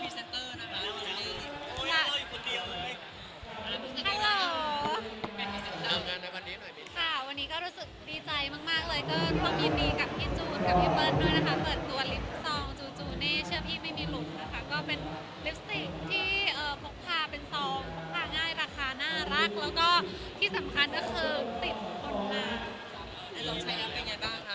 สวัสดีครับตอนนี้ก็รู้สึกดีใจมากเลยก็ต้องยินดีกับพี่จูนกับพี่เปิ้ลด้วยนะคะเปิดตัวลิฟท์ซองจูจูเน่เชื่อพี่ไม่มีหลุมนะคะก็เป็นเล็ปสติกที่พกพาเป็นซองภาคง่ายภาคาน่ารักแล้วก็ที่สำคัญก็คือติดผลมา